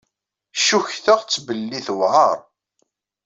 Ccukteɣ-tt belli tewɛer.